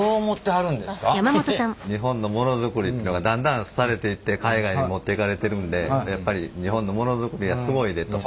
日本のモノづくりってのがだんだん廃れていって海外に持っていかれてるんでやっぱり日本のモノづくりはすごいでと。